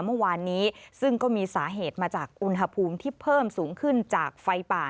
เมื่อวานนี้ซึ่งก็มีสาเหตุมาจากอุณหภูมิที่เพิ่มสูงขึ้นจากไฟป่า